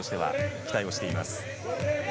期待しています。